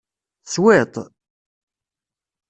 Teswiḍ-t?